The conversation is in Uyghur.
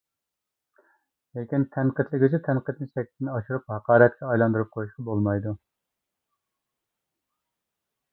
لېكىن، تەنقىدلىگۈچى تەنقىدنى چەكتىن ئاشۇرۇپ، ھاقارەتكە ئايلاندۇرۇپ قويۇشقا بولمايدۇ.